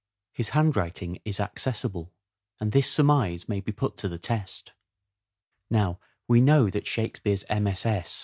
His handwriting is accessible and this surmise may be put to the test. Now we know that Shakespeare's MSS.